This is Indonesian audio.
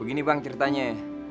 begini bang ceritanya